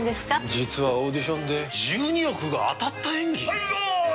実は、オーディションで１２億が当たった演技。